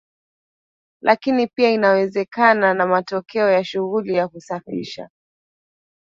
lakini pia inawezekana na matokeo ya shughuli ya kusafisha